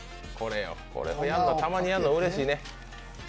たまにやんのうれしいね。